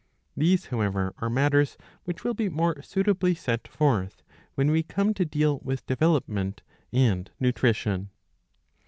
These however are matters which will be more suitably set forth, when we come to deal with Development and Nutrition.